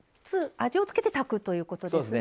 味を付けて炊くということですね。